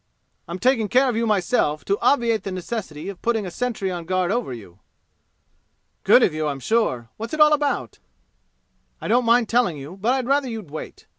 "I'm taking care of you myself to obviate the necessity of putting a sentry on guard over you." "Good of you, I'm sure. What's it all about?" "I don't mind telling you, but I'd rather you'd wait.